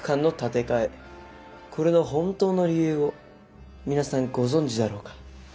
これの本当の理由を皆さんご存じだろうか。